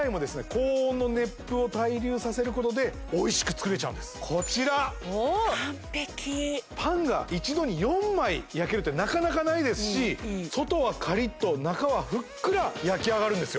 高温の熱風を対流させることでおいしく作れちゃうんですこちら完璧パンが一度に４枚焼けるってなかなかないですし外はカリッと中はふっくら焼き上がるんですよ